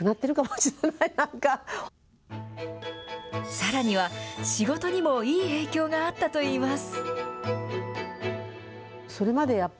さらには、仕事にもいい影響があったといいます。